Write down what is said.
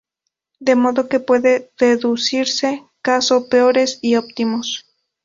De modo que puede deducirse caso peores y óptimos.